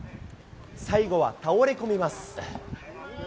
最後は倒れ込みます。